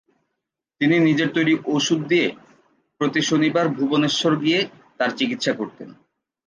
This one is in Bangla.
তিনি নিজের তৈরি ওষুধ দিয়ে প্রতি শনিবার ভুবনেশ্বর গিয়ে তার চিকিৎসা করতেন।